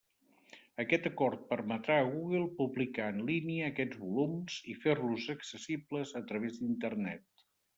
Aquest acord permetrà a Google publicar en línia aquests volums i fer-los accessibles a través d'Internet.